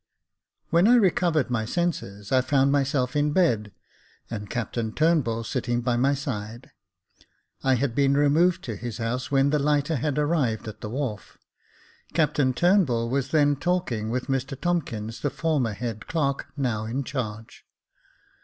When I recovered my senses, I found myself in bed, and Captain Turnbull sitting by my side. I had been removed to his house when the lighter had arrived at the wharf. Captain Turnbull was then talking with Mr Tomkins, the former head clerk, now in charge.